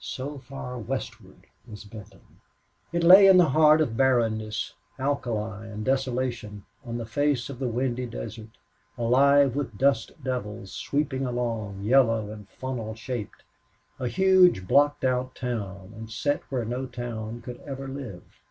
So far westward was Benton. It lay in the heart of barrenness, alkali, and desolation, on the face of the windy desert, alive with dust devils, sweeping along, yellow and funnel shaped a huge blocked out town, and set where no town could ever live.